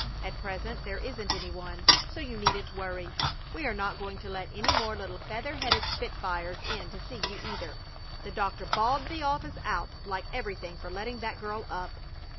At present there isn't any one, so you needn't worry. We are not going to let any more little feather headed spitfires in to see you, either. The doctor balled the office out like everything for letting that girl up."